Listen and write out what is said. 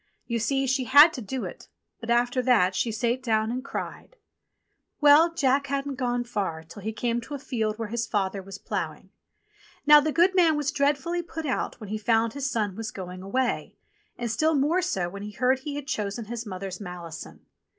You see she had to do it, but after that she sate down and cried. 38 THE GOLDEN SNUFF BOX 39 Well, Jack hadn't gone far till he came to a field where his father was ploughing. Now the goodman was dread fully put out when he found his son was going away, and still more so when he heard he had chosen his mother's malison.